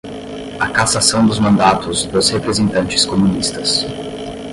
a cassação dos mandatos dos representantes comunistas